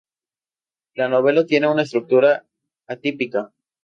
La novela tiene una estructura atípica.